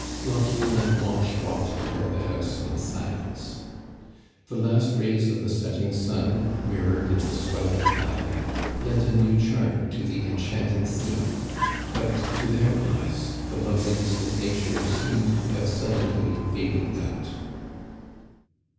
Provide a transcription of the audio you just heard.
Lochiel and Blanche walked toward the house in silence. The last rays of the setting sun, mirrored in the swelling tide, lent a new charm to the enchanting scene ; but to their eyes the loveliness of nature seemed to have suddenly faded out.